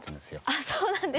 あっそうなんですか。